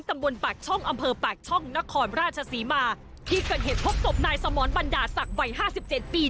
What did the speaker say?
ตำบลปากช่องอำเภอปากช่องนครราชศรีมาที่เกิดเหตุพบศพนายสมรบรรดาศักดิ์วัยห้าสิบเจ็ดปี